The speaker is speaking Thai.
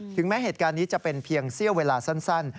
แม้เหตุการณ์นี้จะเป็นเพียงเสี้ยวเวลาสั้น